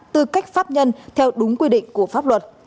tư cách pháp nhân theo đúng quy định của pháp luật